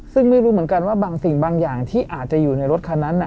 ซึ่งไม่รู้เหมือนกันว่าบางสิ่งบางอย่างที่อาจจะอยู่ในรถคันนั้น